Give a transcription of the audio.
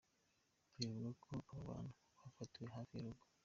Bivugwa ko aba bantu bafatiwe hafi y’urugo.